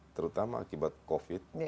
terutama akibat covid